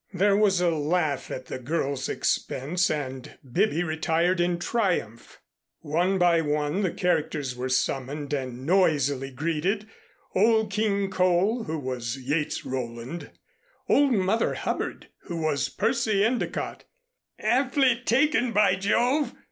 There was a laugh at the girl's expense and Bibby retired in triumph. One by one the characters were summoned and noisily greeted: Old King Cole, who was Yates Rowland; Old Mother Hubbard, who was Percy Endicott ("Aptly taken, by Jove!"